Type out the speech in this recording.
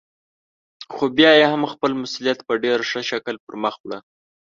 خو بيا يې هم خپل مسئوليت په ډېر ښه شکل پرمخ وړه.